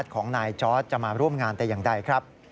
ของนายจอร์ดจะมาร่วมงานแต่อย่างใดครับ